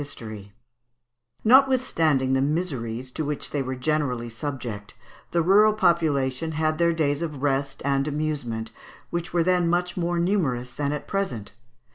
] Notwithstanding the miseries to which they were generally subject, the rural population had their days of rest and amusement, which were then much more numerous than at present.